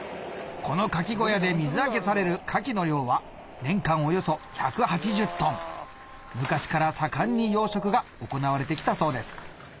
このカキ小屋で水揚げされるカキの量は年間およそ１８０ｔ昔から盛んに養殖が行われてきたそうです